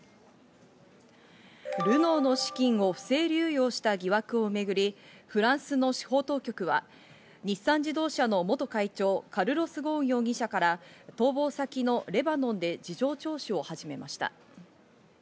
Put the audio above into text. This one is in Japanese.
ルノーの資金を不正流用した疑惑をめぐり、フランスの司法当局は日産自動車の元会長カルロス・ゴーン容疑者から逃亡先のレバノンで事情聴取を始めました。